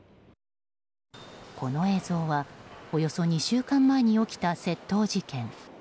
この映像は、およそ２週間前に起きた窃盗事件。